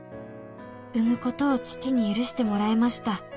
「産むことを父に許してもらえました」